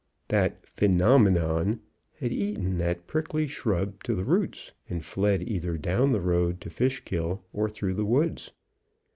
That "phenomenon" had eaten that prickly shrub to the roots and fled either down the road to Fishkill or through the woods.